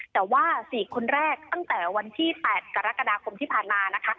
แต่ว่า๔คนแรกตั้งแต่วันที่๘กรกฎาคมที่ผ่านมานะคะ